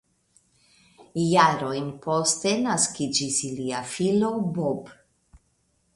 Jarojn poste naskiĝis ilia filo Bob.